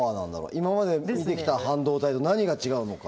今まで見てきた半導体と何が違うのか。